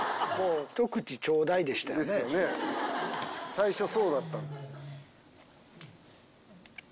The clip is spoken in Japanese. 最初そうだった。